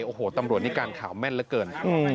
โอ้โหตำรวจนิการข่าวแม่นเหลือเกิน